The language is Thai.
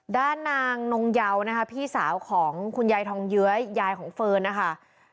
ด้านนางนงเยานะคะพี่สาวของคุณยายทองเยื้อยายของเฟิร์นนะคะ